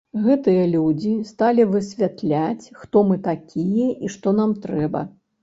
Гэтыя людзі сталі высвятляць, хто мы такія і што нам трэба.